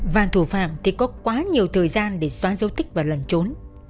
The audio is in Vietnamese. và thủ phạm thì có quá nhiều thời gian để xóa dấu tích và lần trốn